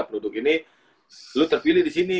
produk ini lu terpilih disini